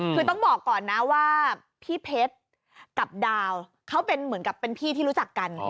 คือต้องบอกก่อนนะว่าพี่เพชรกับดาวเขาเป็นเหมือนกับเป็นพี่ที่รู้จักกัน